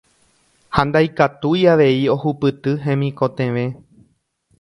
ha ndaikatúi avei ohupyty hemikotevẽ.